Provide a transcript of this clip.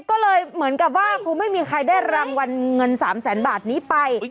ก็เลยเหมือนกับว่าคงไม่มีใครได้รางวัลเงิน๓แสนบาทนี้ไป